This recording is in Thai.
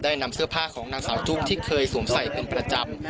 ได้นำเสื้อผ้าของนางสาวจุ๊บที่เคยสงสัยเป็นประจำ